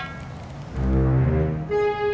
terima kasih bos